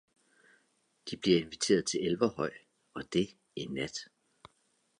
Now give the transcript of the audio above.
De bliver inviteret til elverhøj, og det i nat!